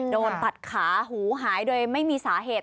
โดนตัดขาหูหายโดยไม่มีสาเหตุ